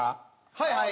はいはい。